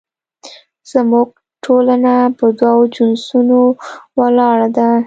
زموږ ټولنه په دوو جنسونو ولاړه ده